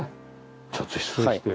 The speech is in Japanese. ちょっと失礼して。